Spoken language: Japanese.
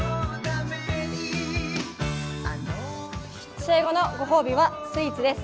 試合後のご褒美はスイーツです。